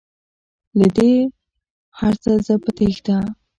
له دې هرڅه زه په تیښته